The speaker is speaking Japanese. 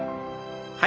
はい。